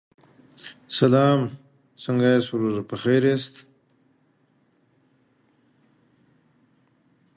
He represents the Free State Province.